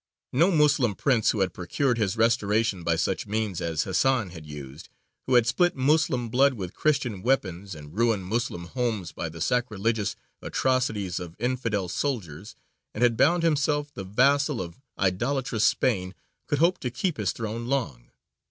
No Moslem prince who had procured his restoration by such means as Hasan had used, who had spilt Moslem blood with Christian weapons and ruined Moslem homes by the sacrilegious atrocities of "infidel" soldiers, and had bound himself the vassal of "idolatrous" Spain, could hope to keep his throne long.